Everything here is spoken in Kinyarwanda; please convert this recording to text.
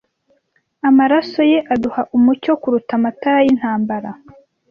Amaso ye aduha umucyo kuruta amatara yintambara.